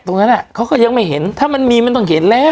ตรงนั้นอ่ะเขาก็ยังไม่เห็นถ้ามันมีมันต้องเห็นแล้ว